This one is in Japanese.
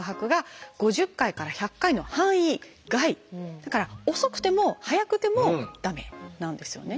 だから遅くても速くても駄目なんですよね。